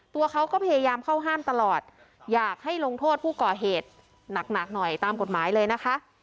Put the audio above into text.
ตัวเขาก็พยายามเข้าห้ามตลอดอยากให้ลงโทษผู้ก่อเหตุหนักหน่อยตามกฎหมายเลยนะคะ